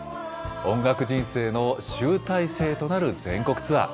音楽人生の集大成となる全国ツアー。